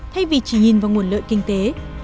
thay vì chỉ nhìn vào nguồn lợi kinh tế